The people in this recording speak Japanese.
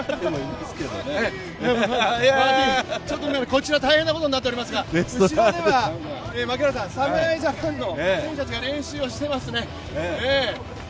こちら大変なことになっておりますが、槙原さん、侍ジャパンの選手たちが練習をしていますね。